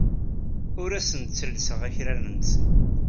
Ur asen-ttellseɣ akraren-nsen.